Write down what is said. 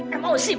insya allah ibu